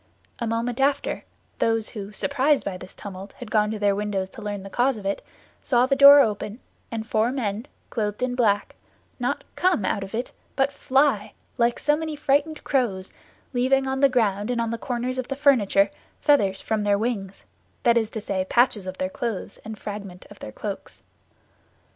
A moment after, those who, surprised by this tumult, had gone to their windows to learn the cause of it, saw the door open, and four men, clothed in black, not come out of it, but fly, like so many frightened crows, leaving on the ground and on the corners of the furniture, feathers from their wings; that is to say, patches of their clothes and fragments of their cloaks.